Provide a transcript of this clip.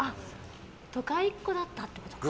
都会っ子だったってことか。